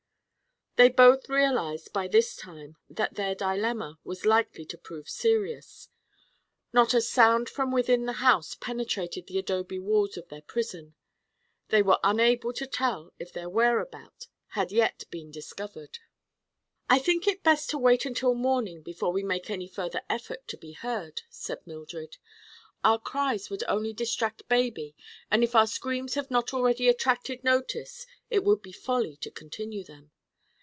They both realized, by this time, that their dilemma was likely to prove serious. Not a sound from within the house penetrated the adobe walls of their prison. They were unable to tell if their whereabout had yet been discovered. "I think it best to wait until morning before we make any further effort to be heard," said Mildred. "Our cries would only distract baby and if our screams have not already attracted notice it would be folly to continue them.